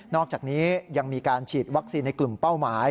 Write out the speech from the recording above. อกจากนี้ยังมีการฉีดวัคซีนในกลุ่มเป้าหมาย